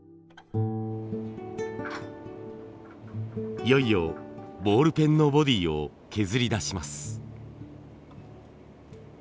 いよいよボールペンのボディーを削り出します。